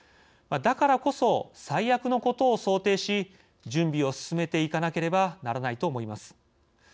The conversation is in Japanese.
だからこそ、最悪のことを想定し準備を進めていかなければならないと思います。